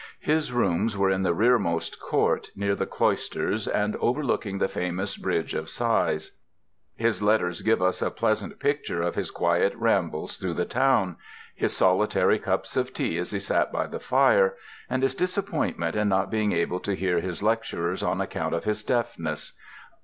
His rooms were in the rearmost court, near the cloisters, and overlooking the famous Bridge of Sighs. His letters give us a pleasant picture of his quiet rambles through the town, his solitary cups of tea as he sat by the fire, and his disappointment in not being able to hear his lecturers on account of his deafness.